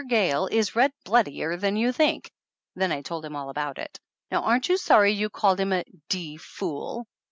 Gayle is red bloodier than you think!" Then I told him all about it. "Now aren't you sorry you called him a d fool?"